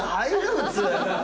普通。